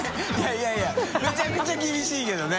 い笋い筺めちゃくちゃ厳しいけどね。